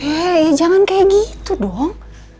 hei jangan seperti itu dong